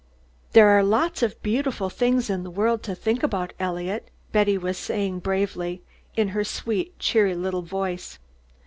"There are lots of beautiful things in the world to think about, Eliot," Betty was saying bravely, in her sweet, cheery little voice.